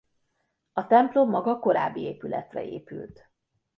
A templom maga korábbi épületre épült.